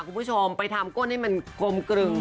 คุณผู้ชมไปทำก้นให้มันกลมกลึง